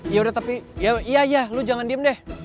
yaudah tapi ya iya lo jangan diem deh